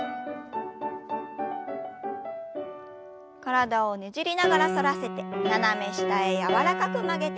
体をねじりながら反らせて斜め下へ柔らかく曲げて。